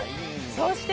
そして、